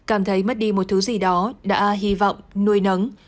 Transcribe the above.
cảm thấy mất đi một thứ gì đó đã hy vọng nuôi nấng